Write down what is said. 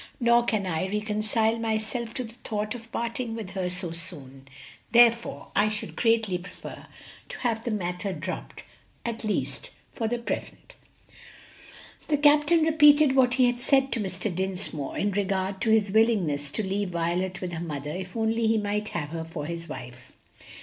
Nor can I reconcile myself to the thought of parting with her so soon; therefore I should greatly prefer to have the matter dropped, at least for the present." The captain repeated what he had said to Mr. Dinsmore in regard to his willingness to leave Violet with her mother if only he might have her for his wife.